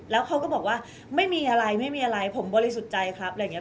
แล้วเขาก็บอกว่าไม่มีอะไรไม่มีอะไรผมบริสุทธิ์ใจครับอะไรอย่างนี้